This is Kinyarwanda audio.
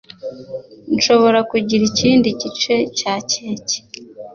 Nshobora kugira ikindi gice cya keke?